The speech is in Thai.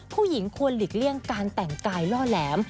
ผู้หญิงควรหลีกเลี่ยงการแต่งกายล่อแหลม